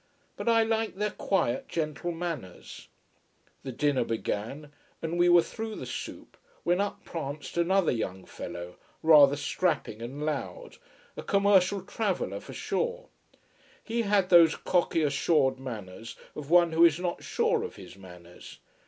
But I liked their quiet, gentle manners. The dinner began, and we were through the soup, when up pranced another young fellow, rather strapping and loud, a commercial traveller, for sure. He had those cocky assured manners of one who is not sure of his manners.